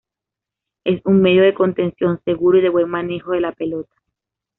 Es un medio de contención, seguro y de buen manejo de la pelota.